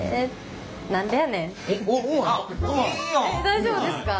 大丈夫ですか？